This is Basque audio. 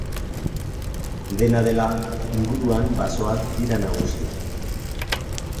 Dena dela, inguruan basoak dira nagusi.